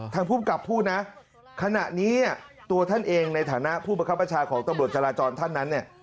ภูมิกับพูดนะขณะนี้ตัวท่านเองในฐานะผู้ประคับประชาของตำรวจจราจรท่านนั้นเนี่ย